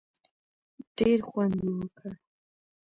ډېر خوند یې وکړ.